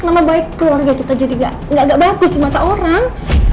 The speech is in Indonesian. nama baik keluarga kita jadi gak bagus di mata orang